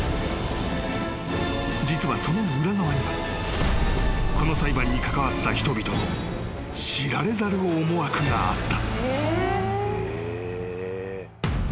［実はその裏側にはこの裁判に関わった人々の知られざる思惑があった］